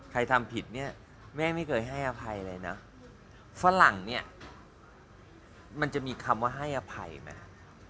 ทำผิดเนี่ยแม่ไม่เคยให้อภัยเลยนะฝรั่งเนี่ยมันจะมีคำว่าให้อภัยไหมฮะ